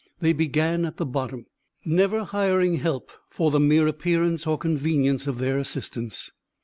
They began at the bottom never hiring help for the mere appearance or convenience of their assistance.